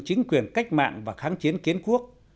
chính quyền cách mạng và kháng chiến kiến quốc